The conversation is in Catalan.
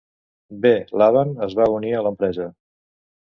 B. Lavan es va unir a l'empresa.